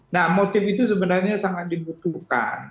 nah motif itu sebenarnya sangat dibutuhkan